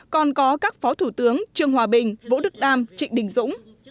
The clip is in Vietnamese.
còn có các phó thủ tướng trương hòa bình vũ đức đam trịnh đình dũng